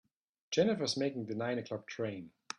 Jennifer is making the nine o'clock train.